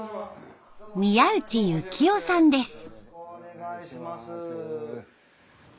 宮内幸雄さんです。